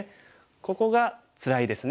ここがつらいですね。